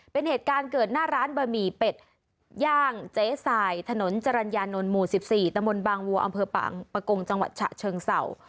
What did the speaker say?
เป็นเหตุการณ์เกิดหน้าร้านบะหมี่เป็ดย่างเจ๊สายถนนจรรยานนท์หมู่๑๔ตะมนต์บางวัวอำเภอปากประกงจังหวัดฉะเชิงเศร้า